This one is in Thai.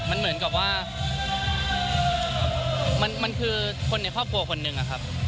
มันเหมือนกับว่ามันคือคนในครอบครัวคนหนึ่งอะครับ